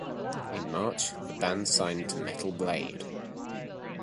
In March, the band signed to Metal Blade.